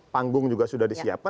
panggung juga sudah disiapkan